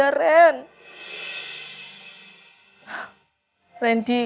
ambil vakit untuk wakt exclusive